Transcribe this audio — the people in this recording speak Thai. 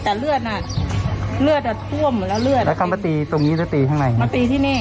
แต่เลือดน่ะเลือดอ่ะท่วมหมดแล้วเลือดแล้วเขามาตีตรงนี้แล้วตีข้างในมาตีที่นี่